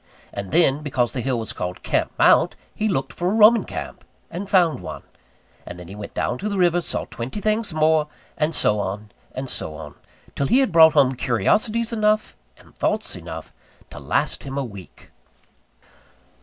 And then, because the hill was called Camp Mount, he looked for a Roman camp, and found one; and then he went down to the river, saw twenty things more; and so on, and so on, till he had brought home curiosities enough, and thoughts enough, to last him a week.